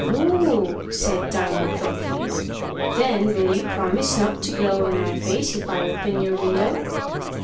"O o oh!" said Diamond, thoughtfully. "Then will you promise not to blow on my face if I open your window?"